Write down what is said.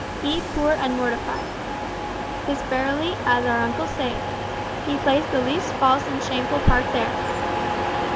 He poor and mortified! 'Tis verily as our uncle saith, he plays the least false and shameful part there!"